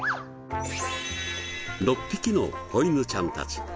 ６匹の子犬ちゃんたち。